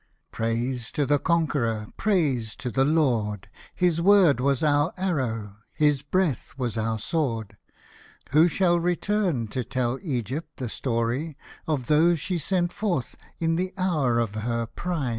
Praise to the Conqueror, praise to the Lord I His word was our arrow, his breath was our sword. — Who shall return to tell Egypt the story Of those she sent forth in the hour of her pride